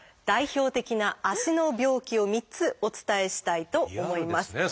代表的な足の病気を３つお伝えしたいと思います。